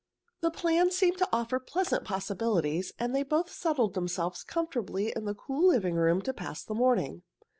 The plan seemed to offer pleasant possibilities, and they both settled themselves comfortably in the cool living room to pass the morning.